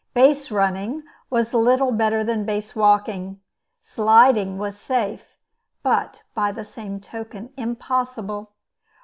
"Base running" was little better than base walking. "Sliding" was safe, but, by the same token, impossible.